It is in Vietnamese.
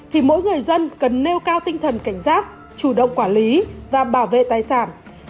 thì mỗi người dân cần nêu cao tinh thần cảnh giác chủ động quản lý và bảo vệ tài sản